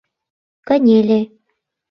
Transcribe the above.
Кынеле.